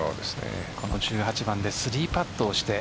この１８番で３パットをして。